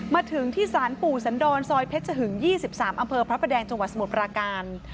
มาถึงที่สารปู่สันดรซอยเพชรหึง๒๓อำเภอพระประแดงจังหวัดสมุทรปราการ